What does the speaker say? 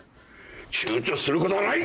ちゅうちょすることはない！